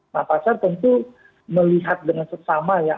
nah pasar tentu melihat dengan sesama ya